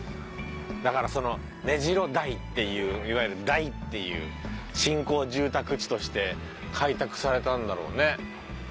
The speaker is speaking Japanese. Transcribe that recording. だからめじろ台っていういわゆる「台」っていう新興住宅地として開拓されたんだろうね。